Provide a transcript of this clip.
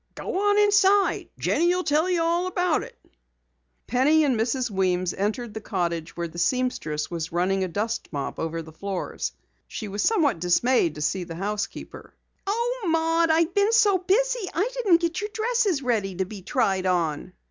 "Go on inside. Jenny'll tell you about it." Penny and Mrs. Weems entered the cottage where the seamstress was running a dust mop over the floors. She was somewhat dismayed to see the housekeeper. "Oh, Maud, I've been so busy I didn't get your dresses ready to be tried on."